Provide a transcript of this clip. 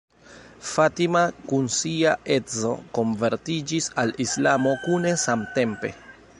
Fatima kun sia edzo konvertiĝis al Islamo kune samtempe.